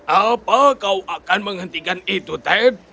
apa kau akan menghentikan itu ted